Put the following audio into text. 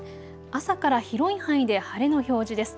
朝から広い範囲で晴れの表示です。